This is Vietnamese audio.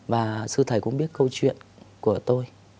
và sư thầy cũng biết câu chuyện của tôi